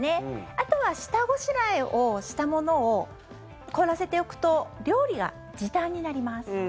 あとは下ごしらえをしたものを凍らせておくと料理が時短になります。